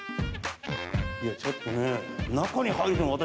いやちょっとね中に入るの私